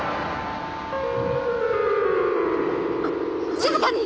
静かに！